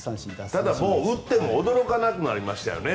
ただ、打っても驚かなくなりましたよね。